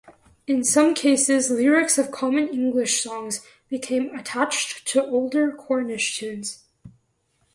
In some cases lyrics of common English songs became attached to older Cornish tunes.